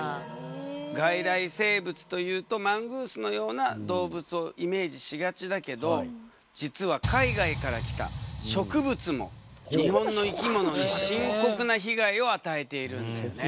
外来生物というとマングースのような動物をイメージしがちだけど実は海外から来た植物も日本の生き物に深刻な被害を与えているんだよね。